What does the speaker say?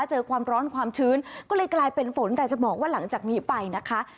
เจอความร้อนความชื้นก็เลยกลายเป็นฝนแต่จะบอกว่าหลังจากนี้ไปนะคะ